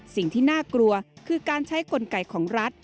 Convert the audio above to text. สิ่งที่น่ากลัวคือการใช้กลไกของรัฐ